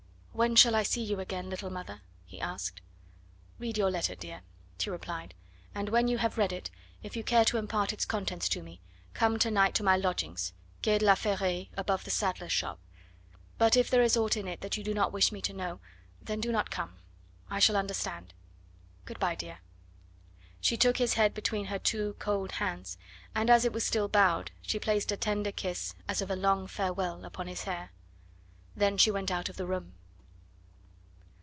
"When shall I see you again, little mother?" he asked. "Read your letter, dear," she replied, "and when you have read it, if you care to impart its contents to me, come to night to my lodgings, Quai de la Ferraille, above the saddler's shop. But if there is aught in it that you do not wish me to know, then do not come; I shall understand. Good bye, dear." She took his head between her two cold hands, and as it was still bowed she placed a tender kiss, as of a long farewell, upon his hair. Then she went out of the room.